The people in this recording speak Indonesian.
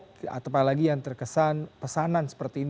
terjadinya aksi hoax atau apalagi yang terkesan pesanan seperti ini